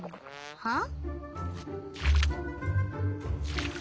はあ？